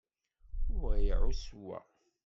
Wa iɛuss wa.